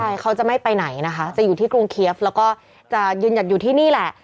ใช่เขาจะไม่ไปไหนนะคะจะอยู่ที่กรุงเคียฟแล้วก็จะยืนหยัดอยู่ที่นี่แหละ